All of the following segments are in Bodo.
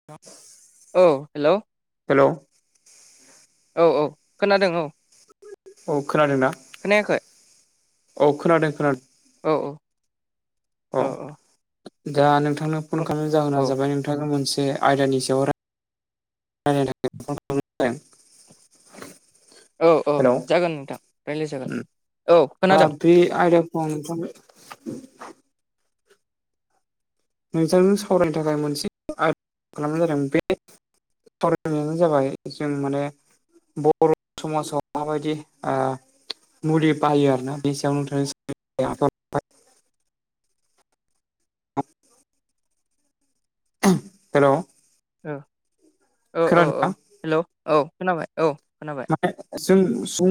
[inaudible] औ हेलौ हेलौ औ औ खोनादों औ औ खोनादोंना खोनायाखै औ खोनादों खोनादों औ औ औ दा नोंथांनो फन खालामनायनि जाहोना औ जाबाय नोंथांनो मोनसे आयदानि सायाव रायलायनो थाखाय औ औ हेलौ जागोन नोंथां रायज्लाय उम जागोन औ खोनादों। [unintelligible] नोंथांजों सावरायनो थाखाय मोनसे आयदा खालामनाय जादों बे सावरायनायानो जाबाय जों माने बर' समाजाव माबायदि आ मुलि बाहायो आरोना बे सायाव नोंथां हेल' औ औ औ हेल' औ खोनाबाय औ खोनाबाय। जों जों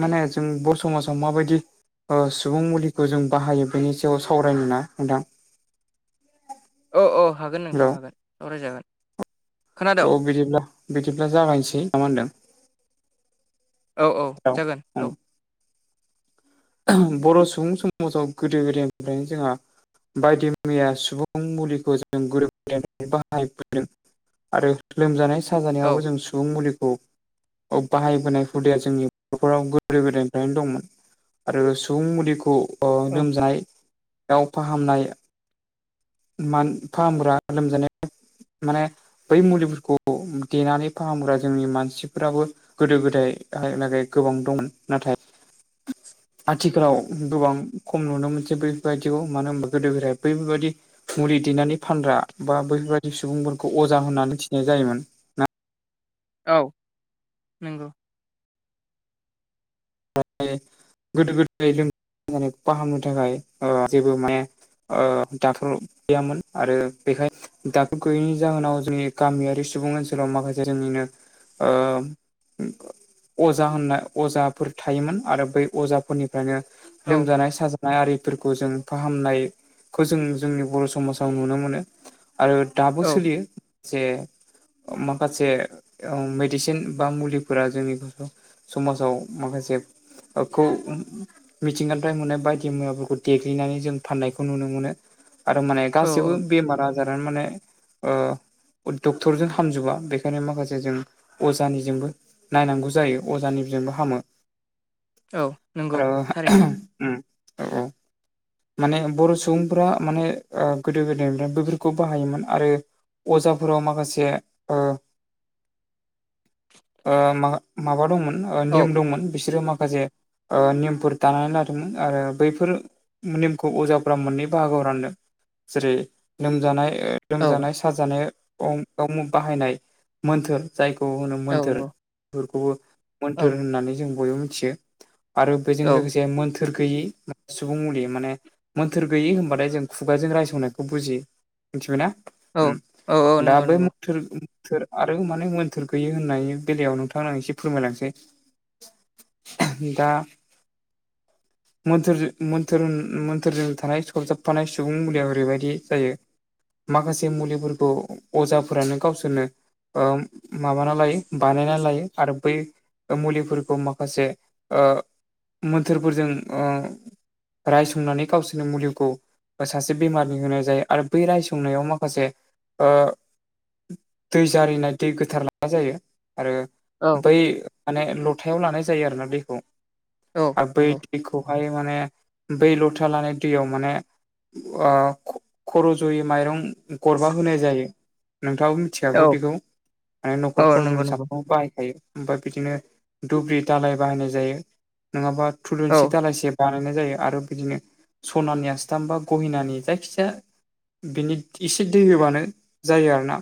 माने जों बर' समाजाव माबायदि ओ सुबुं मुलिखौ जों बाहायो बेनि सायाव सावरायनोना नोंथां? औ औ हागोन हेलौ नोंथां हागोन सावरायजागोन। खोनादों अह बिदिब्ला बिदिब्ला जागायसै ना मा होनदों। औ औ जागोन औ। बर' सुबुं समाजाव गोदो गोदायनिफ्रायनो जोंहा बायदि मैया सुबुं मुलिखौ जों गोरोबलायनानै बाहायबोदों आरो। लोमजानाय औ साजानायावबो जों सुबुं मुलिखौ औ बाहायबोनाय हुदाया जोंनि बर'फोराव गोदो गोदायनिफ्रायनो दंमोन। आरो सुबुं मुलिखौ औ लोमजानायाव फाहामनाय मान फाहामग्रा लोमजानाय माने बै मुलिफोरखौ देनानै फाहामग्रा जोंनि मानसिफोराबो गोदो गोदाय हालागै गोबां दंमोन नाथाय आथिखालाव गोबां खम नुनो मोनसै बैफोरबायदिखौ मानो होनबा गोदो गोदाय बैफोरबायदि मुलि दैनानै फानग्रा बा बैफोरबाददि सुबुंफोरखौ अजा होननानै मिथिनाय जायोमोन। औ नंगौ। माने गोदो गोदाय लोमजानायखौ फाहामनो थाखाय ओ जेबो माने ओ दाखथर गैयामोन आरो बेखाय दाथर' गैयैनि जाहोनाव जोंनि गामियारि सुबुं ओनसोलाव माखासे जोंनिनो ओ अजा होननाय अजा फोर थायोमोन आरो बै अजाफोरनिफ्रायनो औ लोमजानाय साजानाय आरिफोरखौ जों फाहामनायखौ जों जोंनि बर' समाजाव नुनो मोनो आरो दाबो औ सोलियो जे माखासे मेडिसिन बा मुलिफोरा जोंनि समाजाव माखासेखौ। मिथिंगानिफ्राय मोननाय बायदि मुवाफोरखौ देग्लिनानै जों फाननायखौ नुनो मोनो आरो माने औ गासिबो औ बेमार आजारानो माने ओ डक्टरजों हामजोबा बेखायनो माखासे जों अजानिजोंबो नायनांगौ जायो अजानिजोंबो हामो। औ नंगौ आरो थारैनो। उम औ औ माने बर' सुबुंफोरा माने ओ गोदो गोदायनिफ्राय बेफोरखौ बाहायोमोन आरो अजाफोराव माखासे। ओ मा माबा दंमोन। ओ औ निम दंमोन बिसोरो माखासे निमफोर दानानै लादोंमोन आरो बैफोर निमखौ अजाफोरा मोननै बाहागोआव रानदों जेरै लोमजानाय औ लोमजानाय साजानाय बाहायनाय मोन्थोर जायखौ होनो औ मोन्थोर नंगौ औ मोन्थोर होननानै जों बयबो मिथियो आरो बेजों औ लोगोसे मोन्थोर मोन्थोर गैयै सुबुं मुलि। माने मोन्थोर गैयि होनबाथाय जों खुगाजों रायसंनायखौ बुजियो। मिथिबायना औ ओम औ दा नंगौ बै नंगौ मोन्थोर आरो माने मोन्थोर गैयि होननायनि बेलायाव नोंथां आंनो एसे फोरमायलांसै दा मोन्थोर मोन्थोर-मोन्थोरजों थानाय सरजाबफानाय सुबुं मुलिया ओरैबायदि जायो माखासे मुलिफोरखौ अजाफोरानो गावसोरनो ओ माबाना लायो बानायना लायो आरो बै मुलिफोरखौ माखासे ओ मोन्थोरफोरजों ओ रायसंनानै गावसोरनि मुलिखौ सासे बेमारिनि होनाय जायो आरो बै रायसंनायाव माखासे ओ दै जारिनाय दै गोथार लानाय जायो आरो औ बै माने लथायाव लानाय जायो आरोना दैखौ औ आरो बै नंगौ दैखौ बैयावहाय माने बै लथा लानाय दैयाव माने ओ खर' ज'यै माइरं गरबा होनाय जायो नोंथां औ मिथिखागौ बेखौ माने औ नखरफ्राव जों नंगौ नंगौ साफ्रोमबो बाहायखायो ओमफ्राय बिदिनो दुब्रि दालाय बाहायनाय जायो नङाबा औ थुलुनसि दालायसे बानायनाय जायो आरो बिदिनो सनानि आस्थाम बा गहेनानि जायखिजाया बिनि इसे दै होबानो जायो आरोना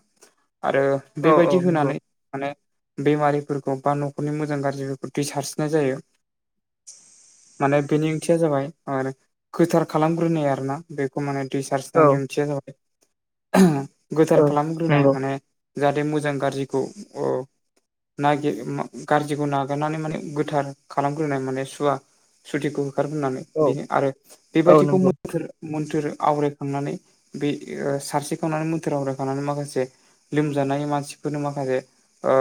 आरो औ औ बेबायदि नंगौ होनानै माने बेमारिफोरखौ बा नखरनि मोजां गाज्रिफोरखौ दै सारस्रिनाय जायो माने बेनि ओंथिया जाबाय आरो गोथार खालामग्रोनाय आरोना बेखौ माने दै औ सास्रिनायनि ओंथिया जाबाय गोथार औ खालामग्रोनाय नंगौ माने जाहाथे मोजां गाज्रिखौ [unintelligible] नागिर गाज्रिखौ नागारनानै माने गोथार खालामग्रोनाय माने सुवा सुतिखौ होखारग्रोनानै औ बेनो आरो औ बेबायदिखौ नंगौ मोन्थोर मोन्थोर आवरायखांनानै बे ओ सारस्रिखांनानै मोन्थोर आवरायखांनानै माखासे लोमजानाय मानसिफोरनो माखासे ओ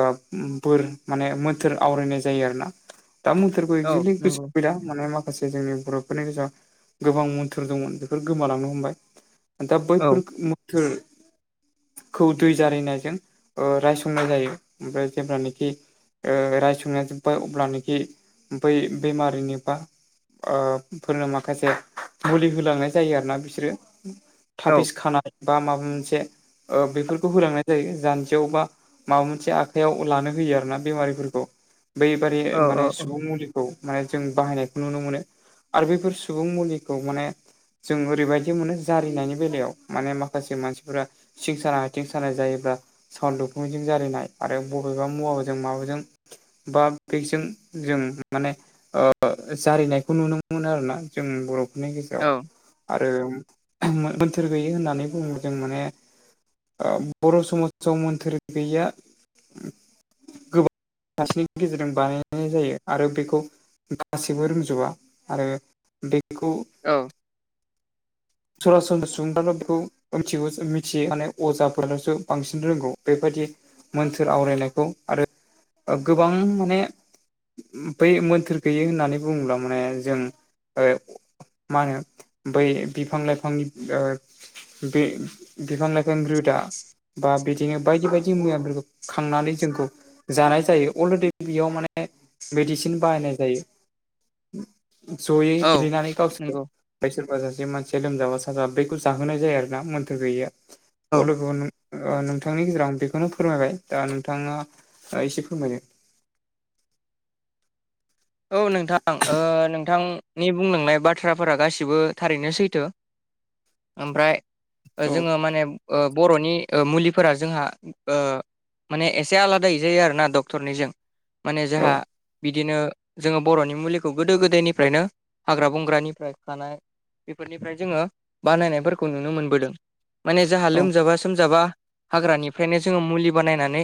बोर माने मोन्थोर आवरायनाय जायो आरो ना दा मोन्थोरखौ औ एकजेलि गोसो नंगौ गैला मान माखासे जोंनि बर'फो फोरनि गेजेराव गोबां मोन्थोर दंमोन बेफोर गोमालांनो हमबाय दा औ बैफोर थोर खौ दै जारियनायजों रायसंनाय जायो ओमफ्राय जेब्लानाखि ओ रायसंनाय जोब्बाय अब्लानोखि बै बेमारिनि बा ओ फोरनो माखासे मुलि होलांनाय जायो आरो ना बिसोरो औ थाफिस खाना बा माबा मोनसे ओ बेफोरखौ होलांनाय जायो जानजियाव बा माबा मोनसे आखाइयाव लानो होयो आरोना बेमारिफोरखौ बैबादि औ माने सुबुं मुलिखौ माने जों बाहायनायखौ नुनो मोनो आरो बेफोर सुबुं मुलिखौ माने जों ओरैबायदि मोनो जारिनायनि बेलायाव माने माखासे मानसिफोरा सिं सानाय आथिं सानाय जायोब्ला सावल दुखुंजों जारिलिनाय आरो बबेबा मुवाजों माबाजों बा बेगजों जों माने ओ जारिनायखौ नुनो मोनो नुनो मोनो आरोना जों बर'फोरनि गेजेराव औ आरो मोन्थोर गैयि होननानै बुङो जों माने ओ बर' समाजाव मोन्थोर गैया गोबां आसिनि गेजेरजों बानायनाय जायो आरो बेखौ गासैबो रोंजोबा आरो दैखौ औ सरासनस्रा सुबुंफ्राथ' बेखौ मिथिगौ मिथियो माने अजाफोरासो बांसिन रोंगौ बेबायदि मोनथोर आवरायनायखौ आरो ओ गोबां माने बै मोन्थोर गैयै होननानै बुङोब्ला माने जों ओ मा होनो बै बिफां लाइफांनि ओ बे बिफां लाइफां रोदा बा बिद जोङो बायदि बायदि मुवफोरखौ खांनानै जोंखौ जानाय जायो अलरेडि बेयाव माने मेडिसिन बाहायनाय जायो जयै औ देलेनानै गावसोर नंगौ आमफ्राय सोरबा सासे मानसिया लोमजाबा साजा बैखौ जाहोनाय जायो आरोना मोन्थोर औ गैययो लोगो ओ नोंथांनि गेजेराव आं बेखौनो फोरमायबाय दा नोंथाङा एसे फोरमायदो औ नोंथां ओ नोंथांनि बुंलांनाय बाथ्राफोरा गासिबो थारैनो सैथो ओमफ्राय औ जोङो माने ओ बर'नि मुलिफोरा जोंङो ओ माने एसे आलादाै जायो आरोना डक्टरनिजों माने औ जोंहा बिदिनो जोङो बर'नि मुलिखौ गोदो गोदायनिफ्रायनो हाग्रा बंग्रानिफ्राय खानाय बेफोरनिफ्राय जोङो बानायनायफोरखौ नुनो मोनबोदों। माने जोंहा औ लोमजाबा सोमजाबा हाग्रानिफ्रायनो जोङो मुलि बानायनानै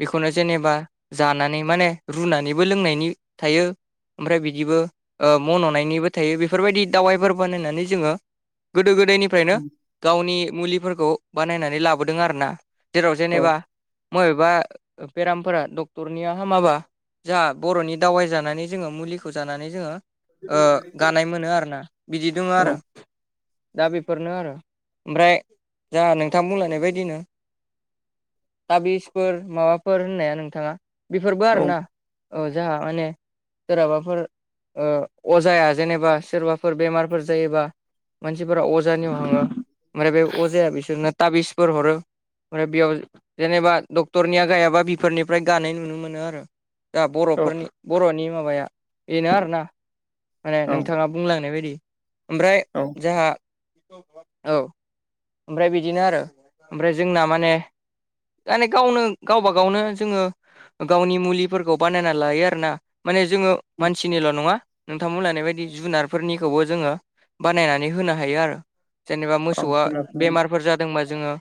बेखौनो जेनेबा जानानै माने रुनानैबो लोंनायनि थायो। ओमफ्राय बिदिबो मन'नायनिबो थायो बेफोरबायदि दावाइफोर बानायनानै जोङो गोदो गोदायनिफ फ्रायनो गावनि मुलिफोरखौ बानायनानै लाबोदों आरोना जेराव औ जेनेबा मबेबा बेरामफोरा डक्टरनिया हामाबा जाह बर'नि दावाइ जानानै जोङो मुलिखौ जानानै जोङो गानाय मोनो आर ना। बिदि दङो औ आरो। दा बेफोरनो आरो ओमफ्राय जाहा नोंथां बुंलायनाय बायदिनो थाबिसफोर माबाफोर होननाया नोंथाङा बेफोरबो आरो ना औ जाहा माने सोरहाबाफोर ओ अजाया जेनेबा सोरबाफोर बेमारफोर जायोबा मानसिफोरा अज अजानियाव थांङो ओमफ्राय बे अजाया बिसोरनो ताबिसफोर हरो। ओमफ्राय बेयाव जेनेबा डाक्टरनिया गायाबा बिफोरनिफ्राय गानाय नुनो मोनो आरो। दा औ बर'फोरनि बर'नि माबाया बेनो आरोना माने औ नोंथाङाफ बुंलांनाय बायदि ओमफ्राय औ औ। जोंहा औ ओमफ्राय बिदिनो आरो ओमफ्राय जोंना माने माने गावनो गावबा गावनो जोङो गावनि मुलिफोरखौ बानायना लायो आरोना। माने जोङो मानसिनिल' नङा। नोंथां बुंलांनाय बायदि जुनारफोरनिखौबो जोङो बानायनानै होनो हायो आरो। जेनेबा मोसौआ औ बेमारफोर जादोंबा जोङो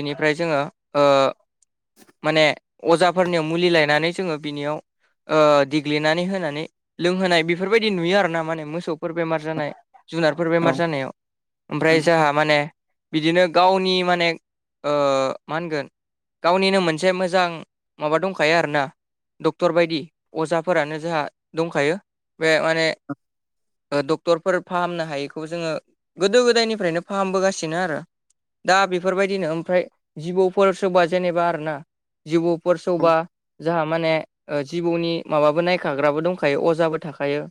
बेनिफ्राय जोङो ओ माने अजाफोरनियाव मुलि लायनानै जोङो बिनियाव ओ देग्लिनानै होनानै लोंहोनाय बेफोरबायदि नुयो आरोना माने मोसौफोर बेमार जानाय। जुनारफोर बेमार जानायाव ओमफ्राय जोंहा माने बिदिनो गावनि माने ओ मा होनगोन। गावनिनो मोनसे मोजां माबा दंखायो आरोना डक्टर बायदि। अजाफोरानो जोंहा दंखायो बे माने। डक्टरफोर फाहामनो हायैखौबो जोङो गोदो गोदायनिफ्रायनो फाहामबोगासिनो आरो। दा बेफोरबायदिनो ओमफ्राय जिबौफोर सोरबा जेनेबा आरोना जिबौ फोर सौबा जोंहा माने जिबौनि माबाबो नायखाग्राबो दंखायो अजाबो थाखायो।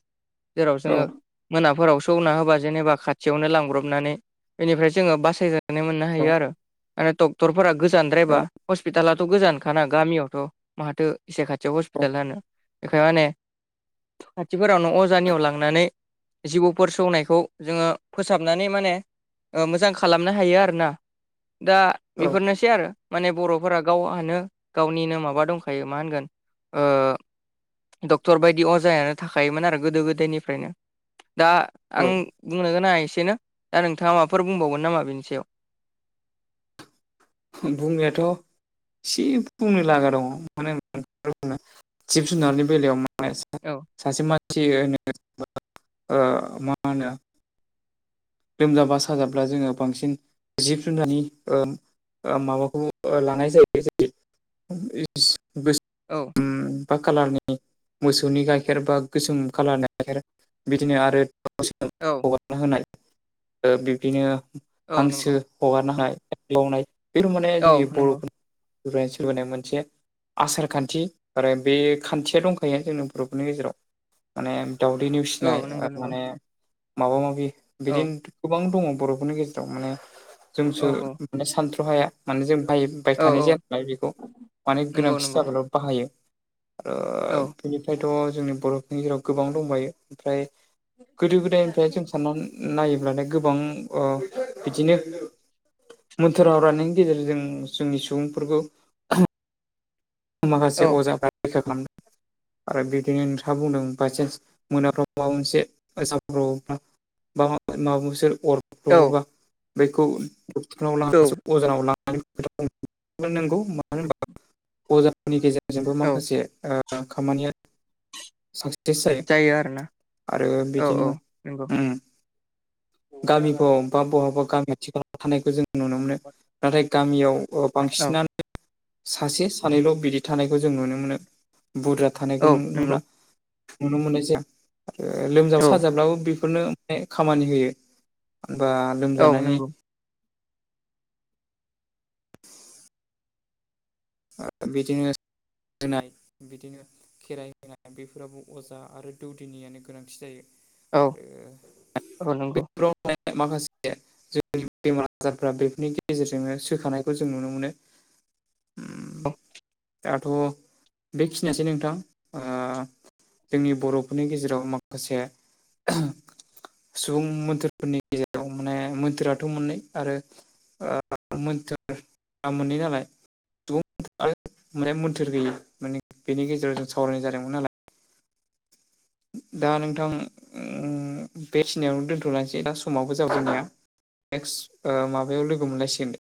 जेराव जोङो मोनाफोराव सौना होबा जेनेबा खाथ थियावनो लांब्रबनानै बेनिफ्राय जोङो बासायनानै मोननो हायो आरो माने डक्टरफोरा गोस जानद्रायबा हस्पिटालाथ' गोजानखाना गामियावथ' माथो इसे खाथियाव हस्पिटाल थानो। एखाय माने खाथिफोरावनो अजानियाव लांनानै जिबौफोर सौनायखौ जोङो फोसाबनानै माने मोजां खालामनो हायो आरोना। दा औ बेफोरनो एसे आरो माने बर'फोरा गावहानो गावनिनो माबा दंखायो मा होनगोन। ओ डक्टर बायदि अजायानो थाखायोमोन आरो गोदो गोदायनिफ्रायनो दा औ आं। बुंनो गोनाङा एसेनो। दा नोंथाङा माफोर बुंबावगोन नामा बेनि सायाव? बुंनायाथ'। एसे बुंनो लागा दङ मानो होनो जिब जुनारनि बेलायाव माने औ। सासे मानसि होनो ओ मा होनो लोमजाबा साजाब्ला जोङो बांसिन जिब जुनारनि ओ ओ माबाखौ ओ लानाय जायो जेरै औ। गोसोम बा कालारनि मोसौनि गाइखेर बा गोसोम कालारनि गाइखेर। बिदिनो आरो। औ। हगारना होनाय बिब्दिनो औ हांसो नंगौ हगारना होनाय। बे माने औ जोंनि नंगौ बर'फोरनिफ्राय सोलिबोनाय मोनसे आसार खान्थि आरो बे खान्थिया दंखायो जोंनि बर'फोरनि गेजेराव माने। दावदै औ निउसिनाय नंगौ नंगौ माने माबा माबि औ बिदिनो। गोबां दङ बर'फोरनि गेजेराव माने औ जोंसो औ माने सानथ्र' हाया माने जों बाय औ थानाय औ जाया नालाय बेखौ माने नंगौ गोनांथि नंगौ जाबाल' बाहायो औ आरो। बेनिफ्रायथ' जोंनि बर'फोरनि जेराव गोबां दंबायो ओमफ्राय गोदो गोदायनिफ्राय जों साननानै नायोब्लानो गोबां ओ बिदिनो। मोनथोराव [unintelligible] गेजेरजों जोंनि सुबुंफोरखौ माखासे अजाफ्रा रैखा खालामदों। आरो बिदिनो नोंथाङा बुंदों। बायसान्स मोनाफ्राव माबा मोनसे, [unintelligible] [unintelligible] [unintelligible] औ औ [unintelligible] अजानाव लानानै [unintelligible] खोथा नांगौ। अजाफोरनि गेजेरजोंबो औ माखासे ओ खामानिया सास टिस जायो आरो औ औ बिदिनो नंगौ ओम, औ गामिफ्राव बा बहाबा गामिखाथि खालाफोराव। थानायखौ जों नुनो मोनो। नाथाय गामियाव बांसिनानो, सासे थानायानैल' बिदि थानायखौ जों नुनो मोनो। बुरजा थानायखौ औ नु नंगौ -नुला नुनो मोननाय जायो। ओ लोमजाब औ साजाब्लाबो बेफोरनो बे खामानि होयो। बा औ लोमजानायनि नंगौ ओ बिदिनो, होनाय, बिदिनो खेराइ होनाय, बेफोराबो अजा आरो दौदिनियानो गोनांथि जायो। औ आरो - औ नंगौ। [unintelligible] माखासे जोंनि बेमार आजारफ्रा बेफोरनि गेजेरजोंनो सोखानायखौ जों नुनो मोनो। दाथ' बेखिनियासै नोंथां ओ, जोंनि बर'फोरनि गेजेराव माखासे, [unintelligible] सुबुं मोनथोरफोरनि गेजेराव माने, मोनथोराथ' मोननै। आरो ओ, मोनथोरआ मोननै नालाय, [unintelligible] माने मोन्थोर गैयै माने बेनि गेजेराव जों सावरायनाय जादोंमोन नालाय, दा नोंथां ओम, बे खिनायावनो दोन्थ'लसै दा समावबो जाबायना नेक्स्ट ओ, माबायाव लोगो मोनलायसिगोन दे।